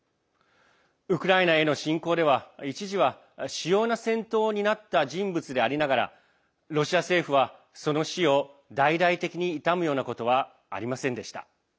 ウクライナへの侵攻では一時は主要な戦闘を担った人物でありながらロシア政府は、その死を大々的に悼むようなことはありませんでした。